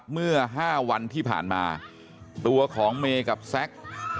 เมื่อ๕วันที่ผ่านมาตัวของเมย์กับแซค